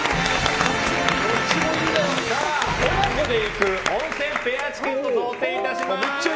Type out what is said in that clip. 親子で行く温泉ペアチケットを贈呈いたします。